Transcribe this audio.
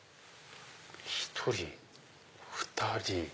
１人２人。